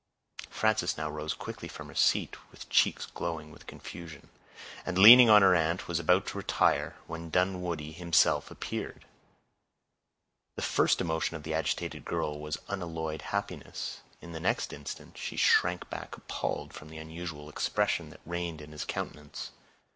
Frances now rose quickly from her seat, with cheeks glowing with confusion, and, leaning on her aunt, was about to retire, when Dunwoodie himself appeared. The first emotion of the agitated girl was unalloyed happiness; in the next instant she shrank back appalled from the unusual expression that reigned in his countenance.